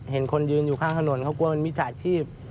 เห็นคนยืนอยู่ข้างถนนเขากลัวมันมิจฉาชีพ